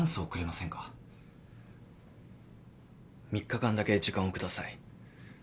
３日間だけ時間を下さい。